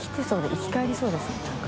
生き返りそうですね何か。